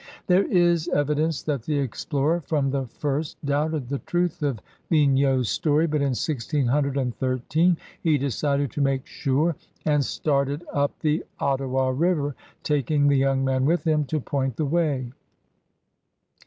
There is evidence that the explorer from the first doubted the truth of Vignau's story, but in 161S he decided to make sure and started up the Ottawa River, taking the young man with him to point the way.